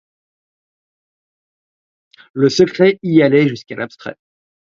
Le secret y allait jusqu’à l’abstrait.